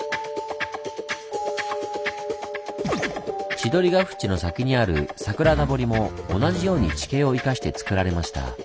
千鳥ヶ淵の先にある桜田堀も同じように地形を生かしてつくられました。